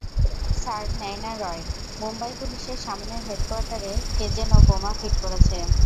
Sir Nayna Roy, Mumbai পুলিশের সামনের হেডকোয়ার্টারে কে যেনো বোমা ফিট করেছে।